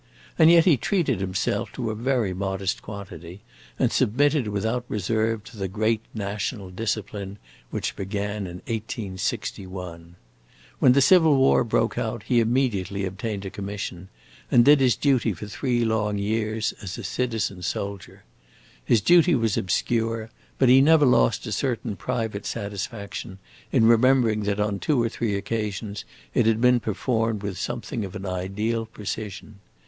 And yet he treated himself to a very modest quantity, and submitted without reserve to the great national discipline which began in 1861. When the Civil War broke out he immediately obtained a commission, and did his duty for three long years as a citizen soldier. His duty was obscure, but he never lost a certain private satisfaction in remembering that on two or three occasions it had been performed with something of an ideal precision.